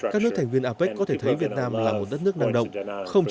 các nước thành viên apec có thể thấy việt nam là một đất nước năng động